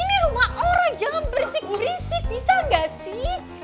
ini rumah orang jangan berisik berisik bisa gak sih